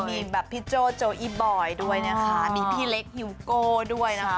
มีแบบพี่โจ้โจอีบอยด้วยนะคะมีพี่เล็กฮิวโก้ด้วยนะคะ